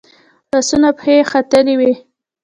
لاسونه او پښې یې ختلي وي.